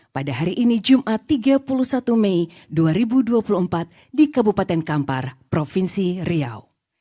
pada hari ini jumat tiga puluh satu mei dua ribu dua puluh empat di kabupaten kampar provinsi riau